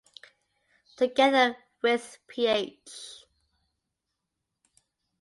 Together with Ph.